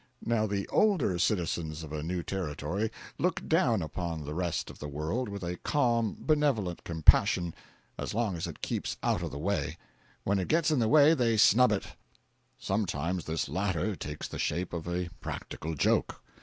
Now the older citizens of a new territory look down upon the rest of the world with a calm, benevolent compassion, as long as it keeps out of the way—when it gets in the way they snub it. Sometimes this latter takes the shape of a practical joke.